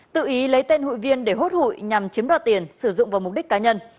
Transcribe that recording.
tự ý lấy tên hụi viên để hốt hụi nhằm chiếm đoạt tiền sử dụng vào mục đích cá nhân